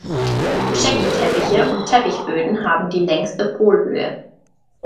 Shaggy-Teppiche und Teppichböden haben die längste Polhöhe.